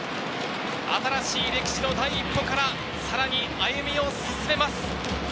新しい歴史の第一歩からさらに歩みを進めます。